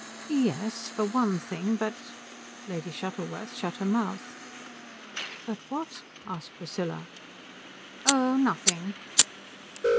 "Yes. For one thing. But " Lady Shuttleworth shut her mouth. "But what?" asked Priscilla. "Oh, nothing."